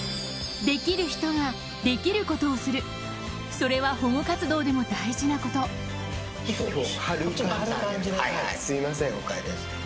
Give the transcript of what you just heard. それは保護活動でも大事なことはいはい了解です。